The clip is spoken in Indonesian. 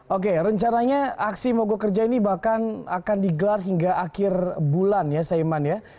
oke rencananya aksi mogok kerja ini bahkan akan digelar hingga akhir bulan ya saiman ya